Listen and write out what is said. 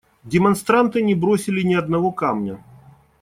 Демонстранты не бросили ни одного камня.